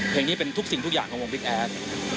เพลงนี้เป็นทุกสิ่งทุกอย่างของวงบิ๊กแอด